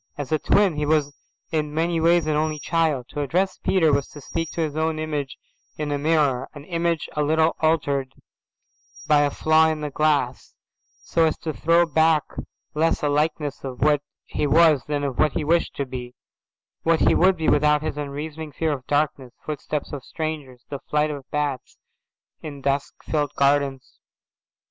As a twin he was in many ways an only child. To address Peter was to speak to his own image in a mirror, an image a little altered by a flaw in the glass, so as to throw back less a likeness of what he was than of what he wished to be, what he would be without his unreasoning fear of darkness, footsteps of strangers, the flight of bats in dusk filled gardens.